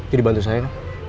itu dibantu saya